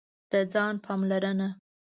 د ځان پاملرنه: